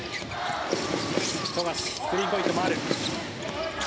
富樫、スリーポイントもある。